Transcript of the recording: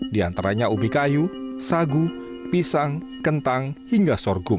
diantaranya ubi kayu sagu pisang kentang hingga sorghum